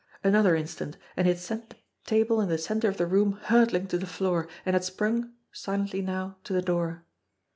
Another in stant, and he had sent the table in the centre of the room hurtling to the floor, and had sprung silently now to the door.